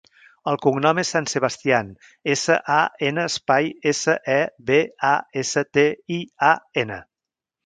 El cognom és San Sebastian: essa, a, ena, espai, essa, e, be, a, essa, te, i, a, ena.